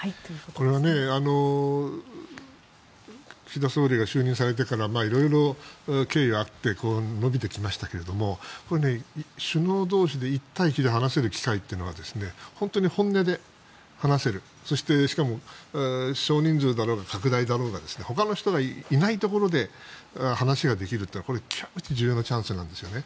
これは岸田総理が就任されてから色々、経緯があって延びてきましたけどこれ、首脳同士で１対１で話せる機会というのは本当に本音で話せるそして、しかも少人数だろうが拡大だろうがほかの人がいないところで話ができるというのはこれ、極めて重要なチャンスなんですよね。